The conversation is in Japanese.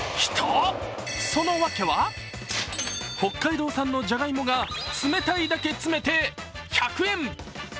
その訳は、北海道産のじゃがいもが詰めたいだけ詰めて１００円。